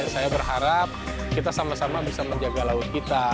saya berharap kita sama sama bisa menjaga laut kita